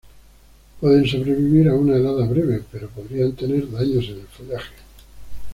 Pueden sobrevivir a una helada breve, pero podrían tener daños en el follaje.